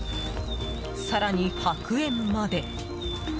更に、白煙まで。